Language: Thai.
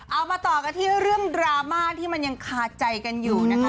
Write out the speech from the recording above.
เอามาต่อกันที่เรื่องดราม่าที่มันยังคาใจกันอยู่นะคะ